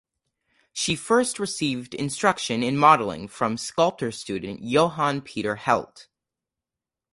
She first received instruction in modeling from sculptor student Johan Peter Heldt.